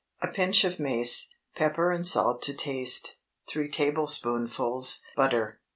A pinch of mace. Pepper and salt to taste. 3 tablespoonfuls butter.